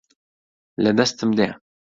لە دەستم دێ